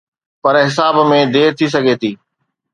پر حساب ۾ دير ٿي سگهي ٿي.